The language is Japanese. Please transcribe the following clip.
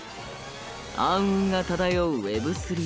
暗雲が漂うＷｅｂ３。